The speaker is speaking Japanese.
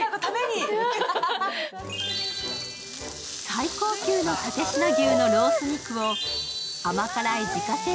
最高級の蓼科牛のロース肉を甘辛い自家製